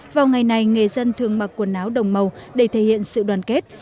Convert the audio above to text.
vào ngày này người dân thường mặc quần áo đồng màu để thể hiện sự đoàn kết